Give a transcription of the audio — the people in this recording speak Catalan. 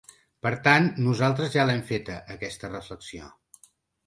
Per tant, nosaltres ja l’hem feta, aquesta reflexió.